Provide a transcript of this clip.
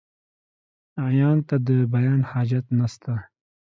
عيان ته ، د بيان حاجت نسته.